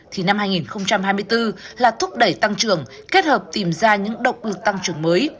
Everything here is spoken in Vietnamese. thì năm hai nghìn hai mươi bốn là thúc đẩy tăng trưởng kết hợp tìm ra những động lực tăng trưởng mới